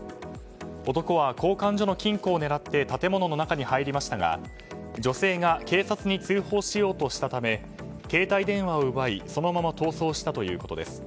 男は交換所の金庫を狙って建物の中に入りましたが女性が警察に通報しようとしたため携帯電話を奪いそのまま逃走したということです。